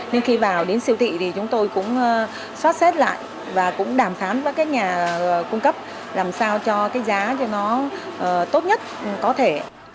nên khi vào đến siêu thị thì chúng tôi cũng xoát xét lại và cũng đàm phán với các nhà cung cấp làm sao cho cái giá cho nó tốt nhất có thể